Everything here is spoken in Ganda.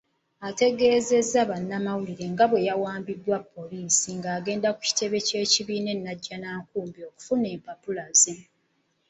Ategeezezza bannamawulire nga bwe yawambiddwa poliisi ng'agenda ku kitebe ky'ekibiina eNajjanankumbi okufuna empapula ze.